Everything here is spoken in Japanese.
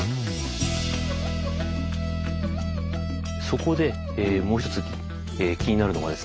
そこでもう一つ気になるのはですね